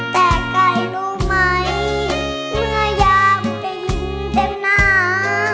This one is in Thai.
แต่ใกล้รู้ไหมเมื่อยากไปยิ้มเต็มหน้า